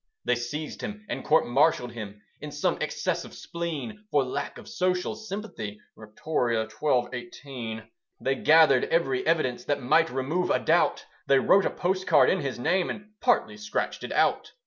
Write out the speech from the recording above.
They seized him and court martialled him, In some excess of spleen, For lack of social sympathy, (Victoria xii. 18). They gathered every evidence That might remove a doubt: They wrote a postcard in his name, And partly scratched it out.